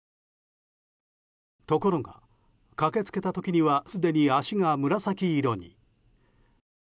ところが、駆け付けた時にはすでに足が紫色に。